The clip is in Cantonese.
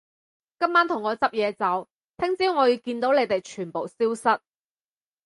今晚同我執嘢走，聽朝我要見到你哋全部消失